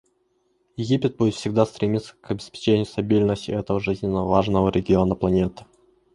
Египет будет всегда стремиться к обеспечению стабильности этого жизненно важного региона планеты.